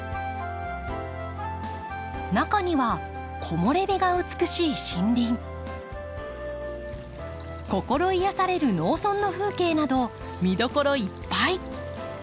中には木漏れ日が美しい森林心癒やされる農村の風景など見どころいっぱい。